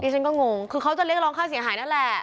ฉันก็งงคือเขาจะเรียกร้องค่าเสียหายนั่นแหละ